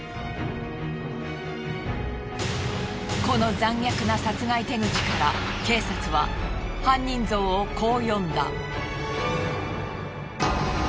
この残虐な殺害手口から警察は犯人像をこう読んだ。